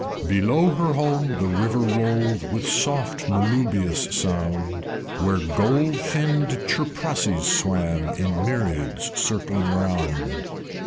II. Below her home the river rolled With soft meloobious sound, Where golden finned Chuprassies swam, In myriads circling round.